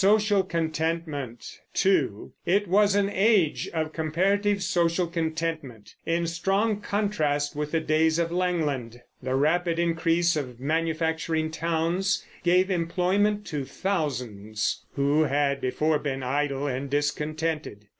It was an age of comparative social contentment, in strong contrast with the days of Langland. The rapid increase of manufacturing towns gave employment to thousands who had before been idle and discontented.